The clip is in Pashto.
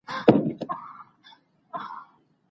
بدترینه پایله کېدای سي یوه تجربه وي.